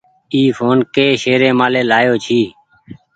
اي ڦون ڪي شهريمآلو لآيو ڇي۔